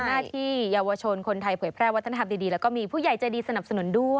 หน้าที่เยาวชนคนไทยเผยแพร่วัฒนธรรมดีแล้วก็มีผู้ใหญ่ใจดีสนับสนุนด้วย